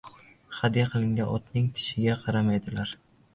• Hadya qilingan otning tishiga qaramaydilar.